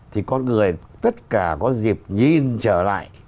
thì con người tất cả có dịp nhìn trở lại